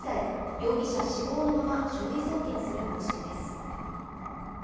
容疑者死亡のまま、書類送検する方針です。